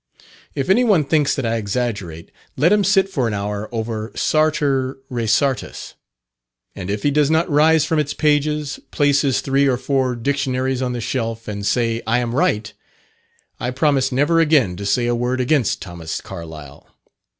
If any one thinks that I exaggerate, let him sit for an hour over "Sartor Resartus," and if he does not rise from its pages, place his three or four dictionaries on the shelf, and say I am right, I promise never again to say a word against Thomas Carlyle.